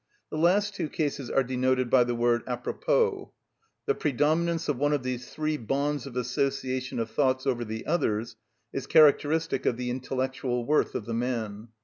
The last two cases are denoted by the word à propos. The predominance of one of these three bonds of association of thoughts over the others is characteristic of the intellectual worth of the man.